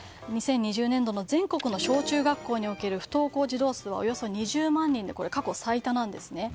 ２０２０年度の全国の小中学校における不登校児童数はおよそ２０万人で過去最多なんですね。